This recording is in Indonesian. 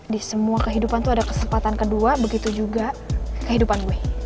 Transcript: di semua kehidupan tuh ada kesempatan kedua begitu juga kehidupan gue